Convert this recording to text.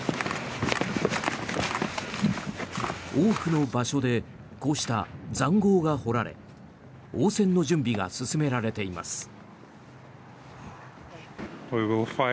多くの場所でこうした塹壕が掘られ応戦の準備が進められています。